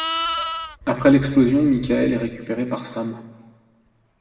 Après l'explosion, Mickael est récupéré par Sam.